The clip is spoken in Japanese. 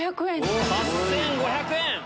８５００円！